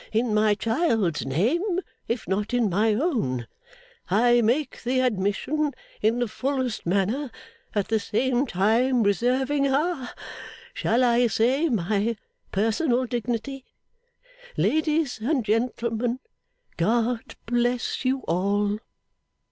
In my child's name, if not in my own, I make the admission in the fullest manner, at the same time reserving ha shall I say my personal dignity? Ladies and gentlemen, God bless you all!